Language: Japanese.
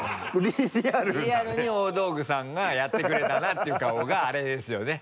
リアルに大道具さんがやってくれたなっていう顔があれですよね。